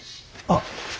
あっ。